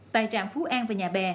tại trạm phú an và nhà bè